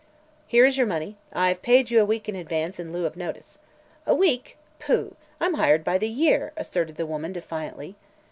Here is your money. I have paid you a week in advance, in lieu of notice." "A week? Pooh! I'm hired by the year," asserted the woman defiantly.